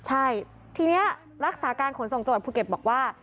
ใช่ทีนี้รักษาการขนส่งจังหวัดภูเก็ตบอกว่า